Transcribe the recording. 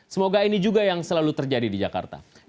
semoga ini juga yang selalu terjadi di jakarta